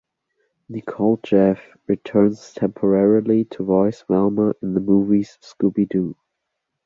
Nicole Jaffe returned temporarily to voice Velma in the movies, Scooby-Doo!